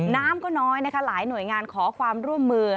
น้ำก็น้อยนะคะหลายหน่วยงานขอความร่วมมือ